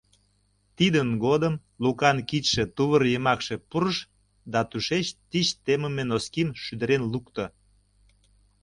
Тидын годым Лукан кидше тувыр йымакше пурыш да тушеч тич темыме носким шӱдырен лукто.